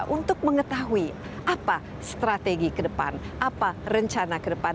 untuk mengetahui apa strategi ke depan apa rencana ke depan